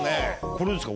これですか？